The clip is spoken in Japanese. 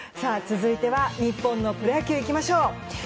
続いては日本のプロ野球いきましょう。